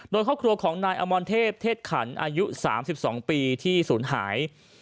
โดยครอบครัวของนายอมรเทพเทศขันอายุ๓๒ปีที่ศูนย์หาย